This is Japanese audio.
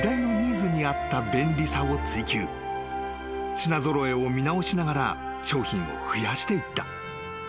［品揃えを見直しながら商品を増やしていった］